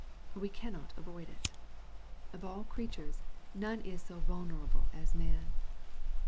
We cannot avoid it. (Of all creatures, none is so vulnerable as man.